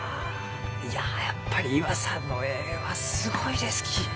いややっぱり岩さんの絵はすごいですき。